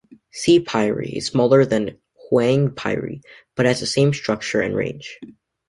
"Se piri" is smaller than "hyang piri" but has the same structure and range.